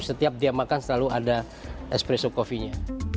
setiap dia makan selalu ada espresso coffee nya